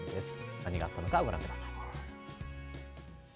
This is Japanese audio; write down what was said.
何があったのか、ご覧ください。